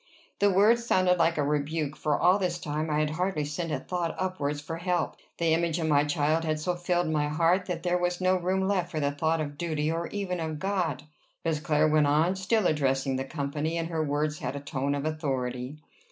The words sounded like a rebuke, for all this time I had hardly sent a thought upwards for help. The image of my child had so filled my heart, that there was no room left for the thought of duty, or even of God. Miss Clare went on, still addressing the company, and her words had a tone of authority.